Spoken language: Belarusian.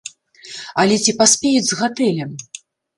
Але ці паспеюць з гатэлем?